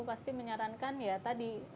pasti menyarankan ya tadi